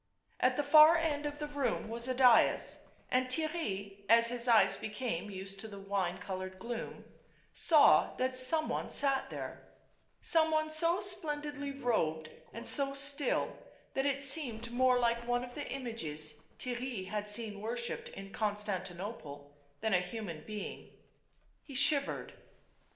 At the far end of the room was a dais, and Theirry, as his eyes became used to the wine coloured gloom, saw that some one sat there; some one so splendidly robed and so still that it seemed more like one of the images Theirry had seen worshipped in Constantinople than a human being. He shivered.